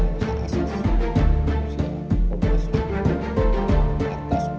investigasi repubesik asal asal